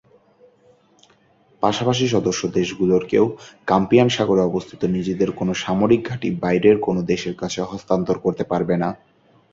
পাশাপাশি সদস্য দেশগুলোর কেউ কাস্পিয়ান সাগরে অবস্থিত নিজেদের কোনো সামরিক ঘাঁটি বাইরের কোনো দেশের কাছে হস্তান্তর করতে পারবে না।